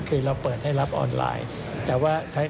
เราเปิดให้รับออนไลน์